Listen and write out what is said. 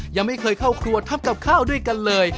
ยังไม่เคยเข้าครัวทำกับข้าวด้วยกันเลย